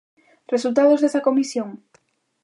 ¿Resultados desa comisión?